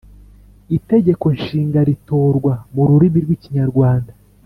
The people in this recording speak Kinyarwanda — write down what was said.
Itegeko Nshinga Ritorwa Mu Rurimi Rw Ikinyarwanda